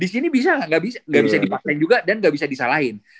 di sini bisa gak bisa dipakai juga dan gak bisa disalahin